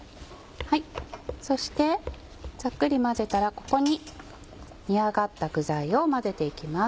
そしてざっくり混ぜたらここに煮上がった具材を混ぜて行きます。